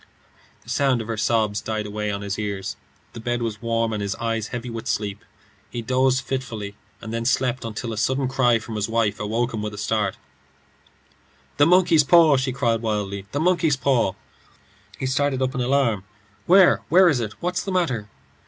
The sound of her sobs died away on his ears. The bed was warm, and his eyes heavy with sleep. He dozed fitfully, and then slept until a sudden wild cry from his wife awoke him with a start. "The paw!" she cried wildly. "The monkey's paw!" He started up in alarm. "Where? Where is it? What's the matter?"